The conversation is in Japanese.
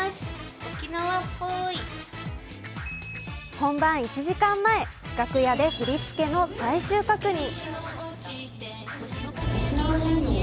本番１時間前、楽屋で振り付けの最終確認。